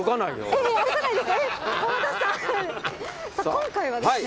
今回はですね。